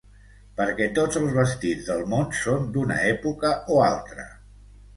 Perquè tots els vestits del món són d'una època o altra.